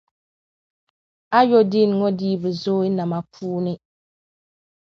Ayodin ŋɔ dii bi zooi nama puuni.